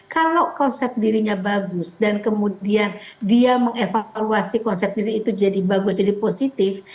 kalau konsep dirinya bagus dan kemudian dia mengevaluasi konsep diri itu jadi bagus jadi positif